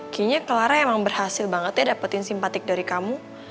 kayaknya clara emang berhasil banget ya dapetin simpatik dari kamu